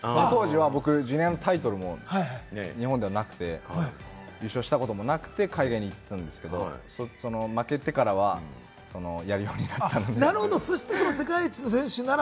それをやり出してからは僕、ジュニアのタイトルも日本ではなくて、優勝したこともなくて海外に行ったんですけど、負けてからは、やるようになったので。